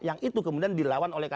yang itu kemudian dilawan oleh